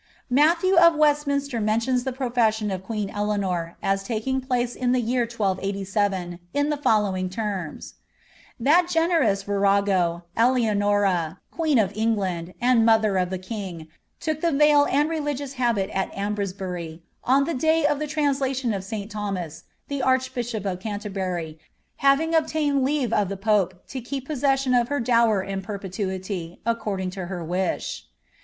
Uatthe w of Westminster mentions the profession of queen Eleanor as king place in the year 1287, in the following terms :—^ That generous rago, £lianora, qneen of England, and mother of the king, took the dl and religious habit at Ambresbury, on the day of the translation of : Thomas, the archbishop of Canterbury, having obtained leave of the ipe to keep possession of her dower in perpetuity, according to her kh."